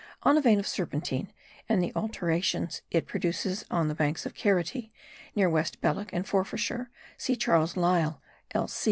On a vein of serpentine, and the alterations it produces on the banks of Carity, near West Balloch in Forfarshire see Charles Lyell l.